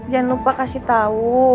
jangan lupa kasih tau